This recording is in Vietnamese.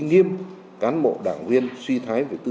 triển khai độc bộ quyết liệu